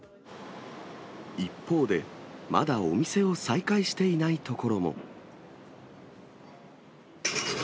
一方で、まだお店を再開していない所も。